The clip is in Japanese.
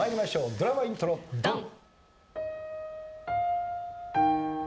ドラマイントロドン！